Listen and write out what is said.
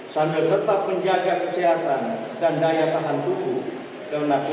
sambil tetap menjaga kesehatan dan daya tahan tubuh